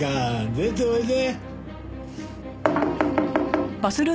出ておいで。